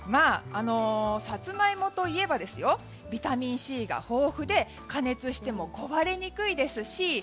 サツマイモといえばビタミンＣが豊富で加熱しても壊れにくいですし